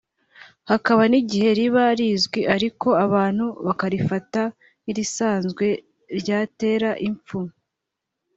hakaba n’igihe riba rizwi ariko abantu bakarifata nk’irisanzwe…ryatera impfu